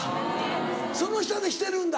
その下でしてるんだ。